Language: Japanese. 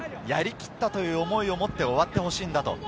やりきったという思いを持って終わってほしいんだと。